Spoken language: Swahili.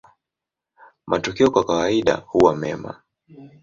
Matokeo kwa kawaida huwa mema.